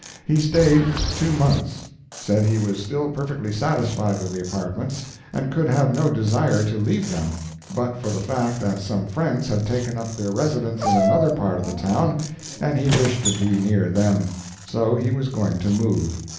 He staid two months, said he was still perfectly satisfied with the apartments, and could have no desire to leave them, but for the fact that some friends had taken up their residence in another part of the town, and he wished to be near them—so he was going to move.